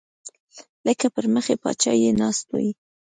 لکه پۍ مخی پاچا چې ناست وي